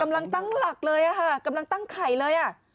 กำลังตั้งหลักเลยอะค่ะกำลังตั้งไข่เลยอ่ะ